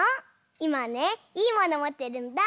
いまねいいものもってるんだ。